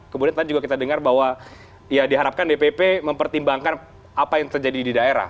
kemudian tadi juga kita dengar bahwa ya diharapkan dpp mempertimbangkan apa yang terjadi di daerah